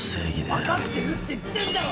分かってるって言ってんだろ！